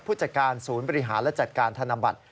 ผู้จัดการศูนย์บริหารและจัดการธนบัตร